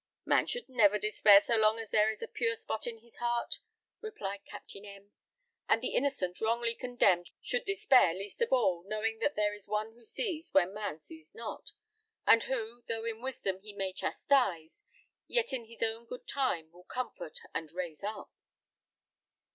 "Man should never despair so long as there is a pure spot in his heart," replied Captain M ; "and the innocent wrongly condemned should despair least of all, knowing that there is one who sees where man sees not, and who, though in wisdom he may chastise, yet in his own good time will comfort and raise up."